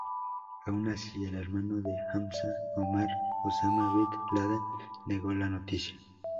Aun así, el hermano de Hamza, Omar Osama bin Laden negó la noticia.